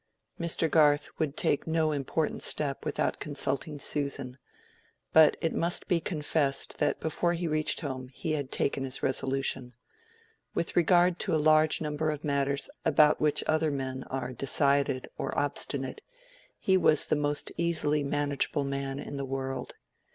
Mr. Garth would take no important step without consulting Susan, but it must be confessed that before he reached home he had taken his resolution. With regard to a large number of matters about which other men are decided or obstinate, he was the most easily manageable man in the world.